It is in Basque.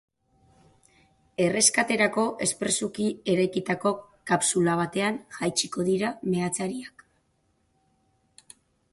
Erreskaterako espresuki eraikitako kapsula batean jaitsiko dira meatzariak.